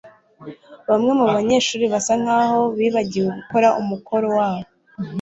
Bamwe mubanyeshuri basa nkaho bibagiwe gukora umukoro wabo